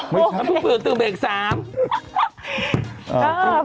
มันเพิ่งตื่นเวลาอีก๓